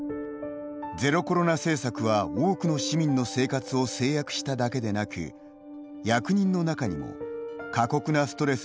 ゼロコロナ政策は、多くの市民の生活を制約しただけでなく役人の中にも過酷なストレスにさらされた人が